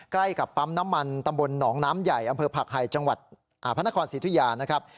ใกล้กับปั๊มน้ำมันตำบลหนองน้ำใหญ่อำเภอผักไห่จังหวัดพระนครสิทธิยานะครับ